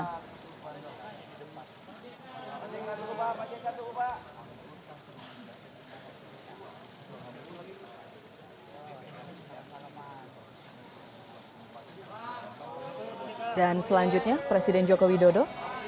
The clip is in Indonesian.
hai dan selanjutnya presiden joko widodo